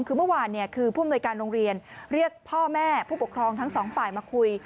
คือเมื่อวานคือผู้อำนวยการโรงเรียนเรียกพ่อแม่ผู้ปกครองทั้งสองฝ่ายมาคุย